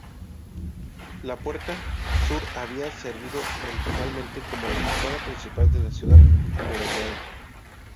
La Puerta sur había servido originalmente como la entrada principal de la ciudad amurallada.